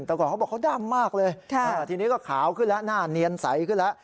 แต่ก่อนเขาบอกเขาด้ำมากเลยทีนี้ก็ขาวขึ้นแล้วหน้าเนียนใสขึ้นแล้ว